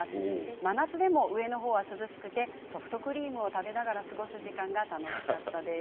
真夏でも上の方は涼しくてソフトクリームを食べながら過ごす時間が楽しかったです。